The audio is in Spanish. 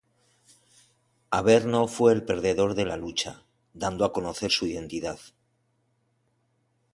Averno fue el perdedor de la lucha, dando a conocer su identidad.